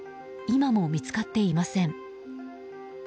今も見つかっていません。